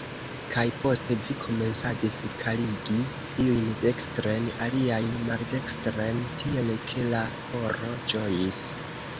Kaj poste vi komencadis faligi iujn dekstren, aliajn maldekstren, tiel ke la koro ĝojis.